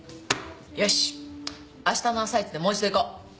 よし明日の朝いちでもう一度行こう。